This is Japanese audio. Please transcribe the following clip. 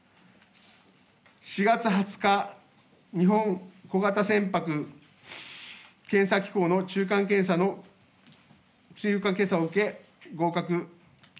４月２０日、日本小型船舶検査機構の中間検査を受け、合格。